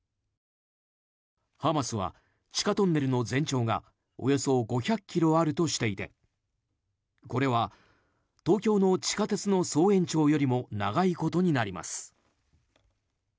ハマスは、地下トンネルの全長がおよそ５００ｋｍあるとしていてこれは東京の地下鉄の総延長よりも長いことになります。